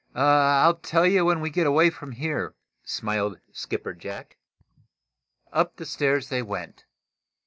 "I'll tell you when we get away from here," smiled Skipper Jack. Up the stairs they went.